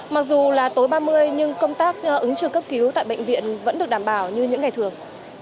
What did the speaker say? mặc dù là tối ba mươi nhưng công tác ứng trực cấp cứu tại bệnh viện vẫn được đảm bảo như những ngày thường